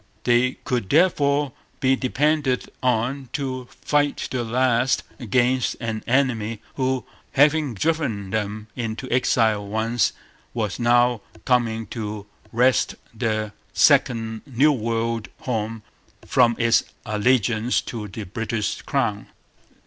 They could therefore be depended on to fight to the last against an enemy who, having driven them into exile once, was now coming to wrest their second New World home from its allegiance to the British crown.